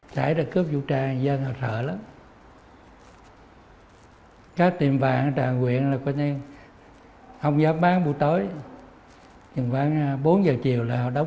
xảy ra cướp vũ trang dân họ sợ lắm